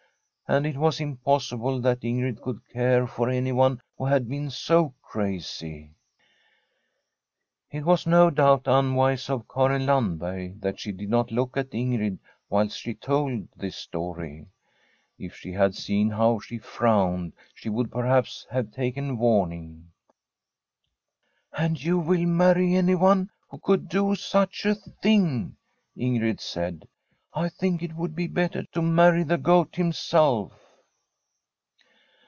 And it was impossible that Ingrid could care for anyone who had been 80 crazy. rxo9] From a SWEDISH HOMESTEAD It was, no doubt, unwise of Karin Landberg that she did not look at Ingrid whilst she told this story. If she had seen how she frowned, she would perhaps have taken warning. * And you will marry anyone who could do such a tiling I ' Ingrid said. ' I think it would be better to marry the Goat himself.'